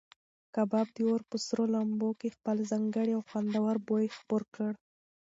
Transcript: کباب د اور په سرو لمبو کې خپل ځانګړی او خوندور بوی خپور کړ.